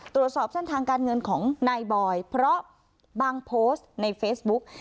ตรวจสอบเส้นทางการเงินของนายบอยเพราะบางโพสต์ในเฟซบุ๊ก